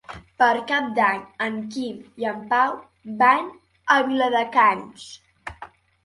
Per Cap d'Any en Quim i en Pau van a Viladecans.